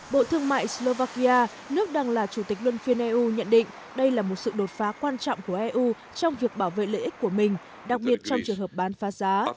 bộ thương mại slovakia nước đang là chủ tịch luân phiên eu nhận định đây là một sự đột phá quan trọng của eu trong việc bảo vệ lợi ích của mình đặc biệt trong trường hợp bán phá giá